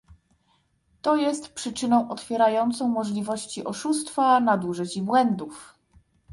To jest przyczyną otwierającą możliwości oszustwa, nadużyć i błędów